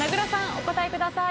お答えください。